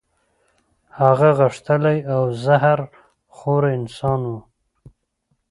هغه غښتلی او زهر خوره انسان وو.